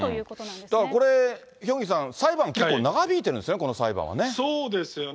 だからこれ、ヒョンギさん、裁判結構長引いてるんですよね、そうですよね。